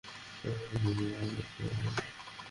সেসব শিকড় শক্তভাবে গেঁথে যায় মাটিতে।